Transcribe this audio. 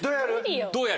どうやる？